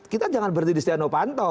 kita jangan berdiri setiara fanto